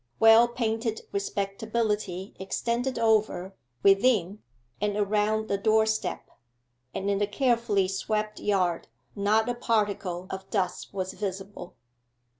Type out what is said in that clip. Well painted respectability extended over, within, and around the doorstep; and in the carefully swept yard not a particle of dust was visible.